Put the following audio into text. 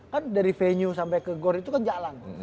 kan dari venue sampe ke gor itu kan jalan